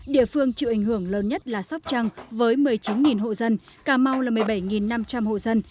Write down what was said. địa phương chịu ảnh hưởng lớn nhất là sóc trăng với một mươi chín hộ dân cà mau là một mươi bảy năm trăm linh hộ dân